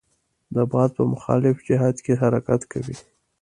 د باد په مخالف جهت کې حرکت کوي.